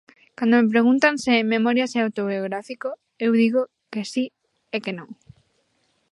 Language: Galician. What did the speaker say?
Cando me preguntan se "Memorias" é autobiográfico eu digo que si e que non.